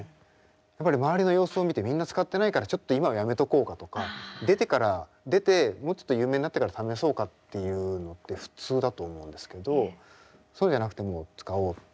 やっぱり周りの様子を見てみんな使ってないからちょっと今はやめとこうかとか出てから出てもうちょっと有名になってから試そうかっていうのって普通だと思うんですけどそうじゃなくてもう使おうっていう。